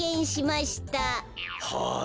はい？